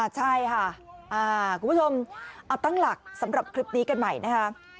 ใช่ค่ะคุณผู้ชมเอาตั้งหลักสำหรับคลิปนี้กันใหม่นะคะ